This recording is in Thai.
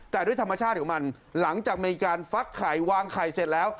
แต่ด้วยธรรมชาติของมันหลังจากมีการฟักไข่วางไข่เสร็จแล้ว